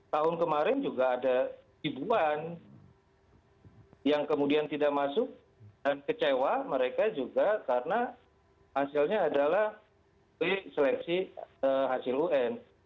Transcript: tahun kemarin juga ada ribuan yang kemudian tidak masuk dan kecewa mereka juga karena hasilnya adalah seleksi hasil un